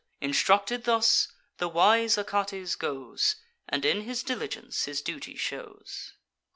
Instructed thus, the wise Achates goes, And in his diligence his duty shows.